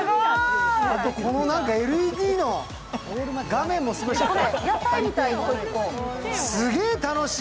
あと、ＬＥＤの画面もすごいし。